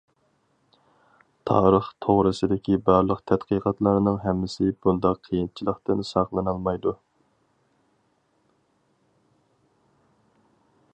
تارىخ توغرىسىدىكى بارلىق تەتقىقاتلارنىڭ ھەممىسى بۇنداق قىيىنچىلىقتىن ساقلىنالمايدۇ.